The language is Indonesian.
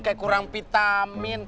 kayak kurang vitamin